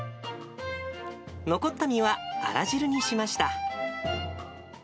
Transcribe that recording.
残った身はあら汁にしました。